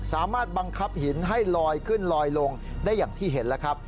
สามารถบังคับหินให้ลอยขึ้นลอยลงได้อย่างที่เห็นแล้วครับ